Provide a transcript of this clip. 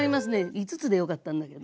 ５つでよかったんだけど。